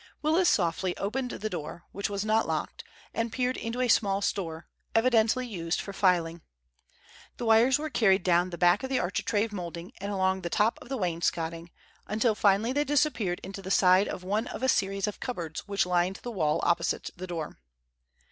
Willis softly opened the door, which was not locked, and peered into a small store, evidently used for filing. The wires were carried down the back of the architrave molding and along the top of the wainscoting, until finally they disappeared into the side of one of a series of cupboards which lined the wall opposite the door.